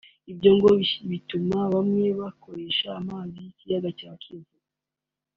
Ibyo ngo bituma bamwe bakoresha amazi y’ikiyaga cya Kivu